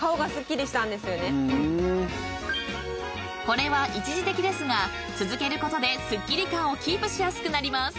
［これは一時的ですが続けることですっきり感をキープしやすくなります］